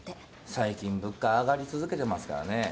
最近物価上がり続けてますからね。